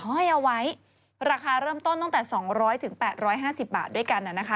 ห้อยเอาไว้ราคาเริ่มต้นตั้งแต่๒๐๐๘๕๐บาทด้วยกันนะคะ